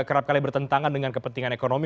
kerap kali bertentangan dengan kepentingan ekonomi